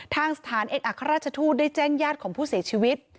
ทางสถานเอกอัครราชทูตได้แจ้งญาติของผู้เสียชีวิต